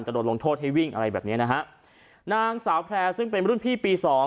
โดนลงโทษให้วิ่งอะไรแบบเนี้ยนะฮะนางสาวแพร่ซึ่งเป็นรุ่นพี่ปีสอง